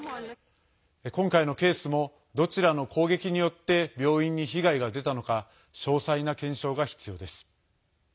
今回のケースもどちらの攻撃によって病院に被害が出たのか詳細な検証が必要です。